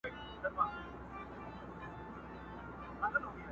ځو به چي د شمعي پر لار تلل زده کړو!.